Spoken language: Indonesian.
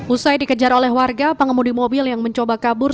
usai dikejar oleh warga pengemudi mobil yang mencoba kabur